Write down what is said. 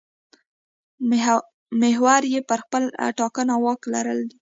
محور یې پر خپله ټاکنه واک لرل دي.